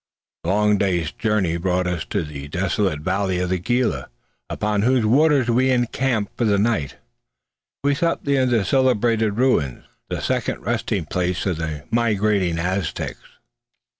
A long day's journey brought us to the desolate valley of the Gila, upon whose waters we encamped for the night. We slept near the celebrated ruins, the second resting place of the migrating Aztecs.